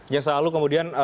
yang selalu kemudian